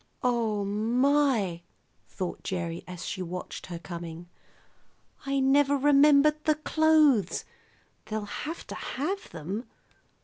"Oh, my!" thought Gerry as she watched her coming. "I never remembered the clothes. They'll have to have them.